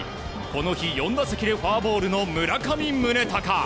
この日４打席でフォアボールの村上宗隆。